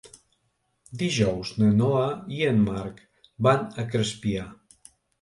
Dijous na Noa i en Marc van a Crespià.